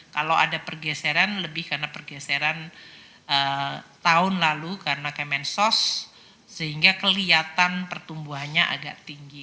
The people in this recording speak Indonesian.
kalau ada pergeseran lebih karena pergeseran tahun lalu karena kemensos sehingga kelihatan pertumbuhannya agak tinggi